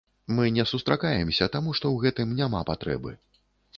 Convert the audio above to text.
Мы не сустракаемся, таму што ў гэтым няма патрэбы.